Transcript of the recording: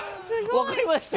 分かりました？